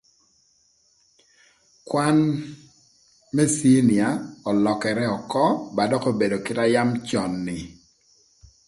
Kwan më ciniya ölökërë ökö ba dökï kite na yam cön ni.